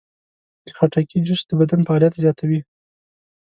د خټکي جوس د بدن فعالیت زیاتوي.